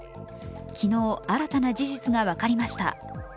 昨日、新たな事実が分かりました。